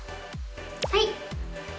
はい。